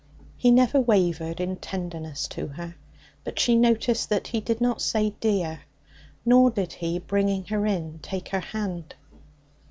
He never wavered in tenderness to her. But she noticed that he did not say 'dear,' nor did he, bringing her in, take her hand.